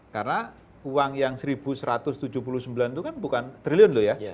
karena uang yang rp satu satu ratus tujuh puluh sembilan itu kan bukan triliun loh ya